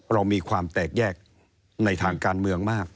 เรามีความแตกแยกในทางการเมืองมาก